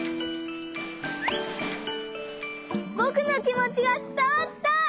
ぼくのきもちがつたわった！